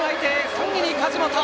３位に梶本。